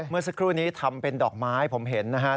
เมื่อสักครู่นี้ทำเป็นดอกไม้ผมเห็นนะครับ